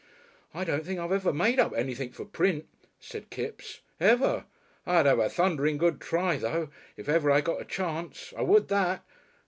"I don't think I've ever made up anything for print," said Kipps; " ever. I'd have a thundering good try, though, if ever I got a chance. I would that!